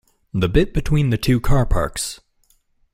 The bit between the two car parks?